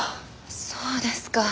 そうですか。